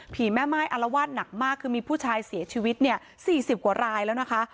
ผีแม่ไม้อลวาดหนักมากคือมีผู้ชายเสียชีวิต๔๐กว่ารายแล้วนะคะ